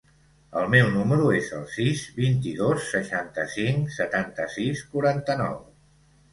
El meu número es el sis, vint-i-dos, seixanta-cinc, setanta-sis, quaranta-nou.